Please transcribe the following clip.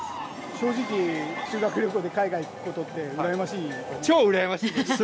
正直、修学旅行で海外に行くことって、羨ましい？